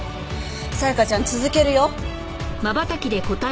沙也加ちゃん続けるよ。